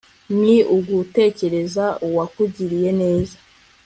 ni ugutekereza uwakugiriye neza